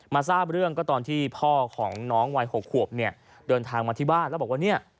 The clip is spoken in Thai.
ทราบเรื่องก็ตอนที่พ่อของน้องวัย๖ขวบเนี่ยเดินทางมาที่บ้านแล้วบอกว่าเนี่ย